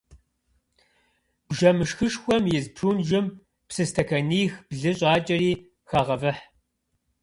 Бжэмышхышхуэм из прунжым псы стэканих-блы щӏакӏэри, хагъэвыхь.